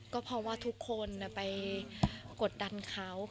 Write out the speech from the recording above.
ก็เพราะว่าทุกคนไปกดดันเขา